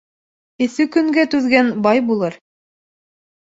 Эҫе көнгә түҙгән бай булыр.